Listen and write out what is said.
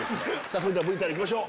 それではＶＴＲ行きましょう。